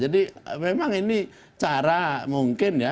jadi memang ini cara mungkin ya